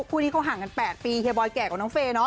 คู่นี้เขาห่างกัน๘ปีเฮียบอยแก่กว่าน้องเฟย์เนาะ